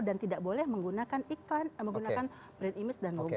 dan tidak boleh menggunakan iklan menggunakan brand image dan logo